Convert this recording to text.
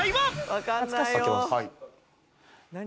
開けます。